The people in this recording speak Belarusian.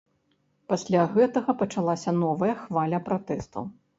Пасля гэтага пачалася новая хваля пратэстаў.